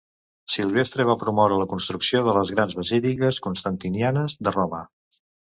Silvestre va promoure la construcció de les grans basíliques constantinianes de Roma.